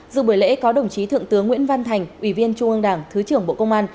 dự buổi lễ có đồng chí thượng tướng nguyễn văn thành ủy viên trung ương đảng thứ trưởng bộ công an